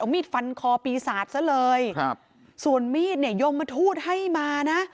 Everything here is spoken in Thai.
เอามีดฟันคอปีศาจซะเลยส่วนมีดย่อมมาทูดให้มานะ